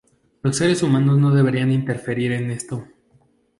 Los seres humanos no deberían interferir en esto.